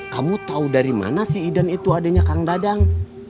kamu tahu dari mana si idan itu adanya kang dadang